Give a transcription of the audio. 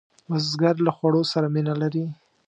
بزګر له خوړو سره مینه لري